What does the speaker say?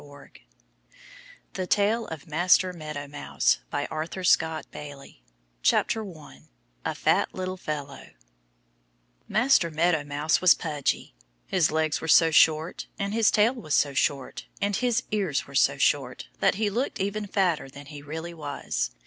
115 The Tale of Master Meadow Mouse 1 A Fat Little Fellow MASTER MEADOW MOUSE was pudgy. His legs were so short and his tail was so short and his ears were so short that he looked even fatter than he really was.